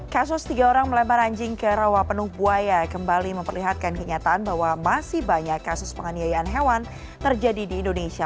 kasus tiga orang melempar anjing ke rawa penuh buaya kembali memperlihatkan kenyataan bahwa masih banyak kasus penganiayaan hewan terjadi di indonesia